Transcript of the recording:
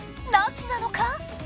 なしなのか？